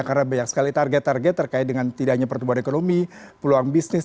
karena banyak sekali target target terkait dengan tidak hanya pertumbuhan ekonomi peluang bisnis